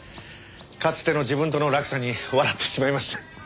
かつての自分との落差に笑ってしまいます。